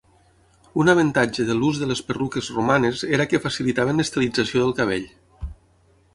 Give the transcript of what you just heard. Un avantatge de l'ús de les perruques romanes era que facilitaven l'estilització del cabell.